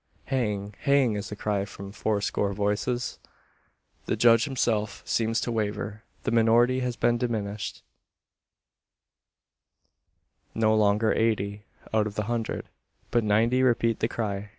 "Hang! hang!" is the cry from fourscore voices. The judge himself seems to waver. The minority has been diminished no longer eighty, out of the hundred, but ninety repeat the cry.